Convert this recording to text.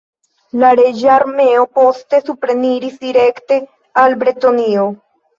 La reĝa armeo, poste supreniris direkte al Bretonio.